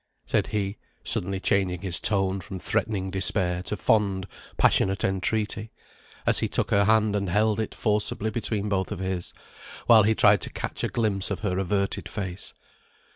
said he, suddenly changing his tone from threatening despair to fond passionate entreaty, as he took her hand and held it forcibly between both of his, while he tried to catch a glimpse of her averted face.